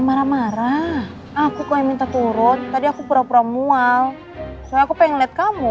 marah marah aku mau minta turut tadi aku pura pura mual saya pengen lihat kamu